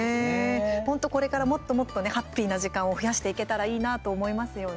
本当これから、もっともっとねハッピーな時間を増やしていけたらいいなと思いますよね。